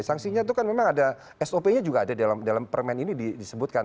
sanksinya itu kan memang ada sop nya juga ada dalam permen ini disebutkan